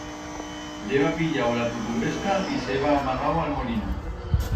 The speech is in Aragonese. Le heba pillau la turrumbesca y s'heba amagau a'l molino.